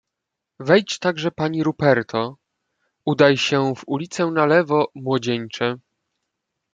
"Wejdź także pani Ruperto; udaj się w ulicę na lewo, młodzieńcze."